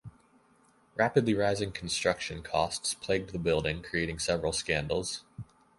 Rapidly rising construction costs plagued the building, creating several scandals.